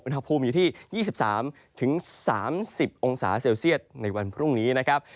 อุณหภูมิอยู่ที่๒๓๓๐องศาเซลเซียตในวันพรุ่งนี้นะครับ